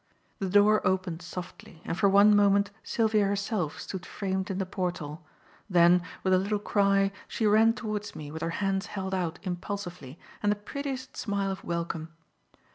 The door opened softly and for one moment Sylvia herself stood framed in the portal; then, with a little cry, she ran towards me with her hands held out impulsively and the prettiest smile of welcome.